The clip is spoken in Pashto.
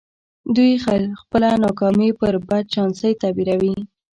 دوی خپله ناکامي پر بد چانسۍ تعبيروي.